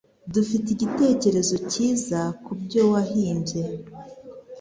Dufite igitekerezo cyiza kubyo wahimbye.